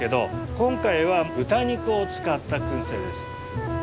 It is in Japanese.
今回は豚肉を使った燻製です。